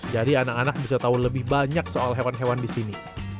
jadi anak anak bisa tahu lebih banyak soal hewan hewan di sini